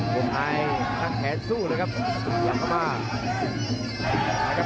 กลุ่มไทยทั้งแขนสู้เลยครับยอดเดชน์เข้ามา